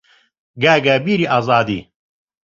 گاگا بیری ئازادی